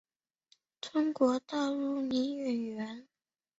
中国大陆女演员。